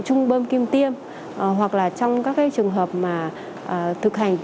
trung bơm kim tiêm hoặc là trong các trường hợp mà thực hành